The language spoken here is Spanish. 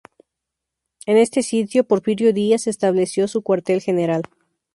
En este sitio, Porfirio Díaz estableció su cuartel general.